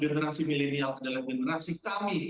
generasi milenial adalah generasi kami